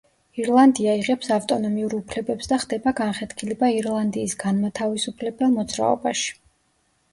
ირლანდია იღებს ავტონომიურ უფლებებს და ხდება განხეთქილება ირლანდიის განმათავისუფლებელ მოძრაობაში.